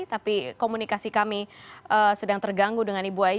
tapi komunikasi kami sedang terganggu dengan ibu ai